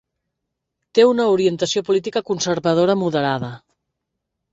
Té una orientació política conservadora moderada.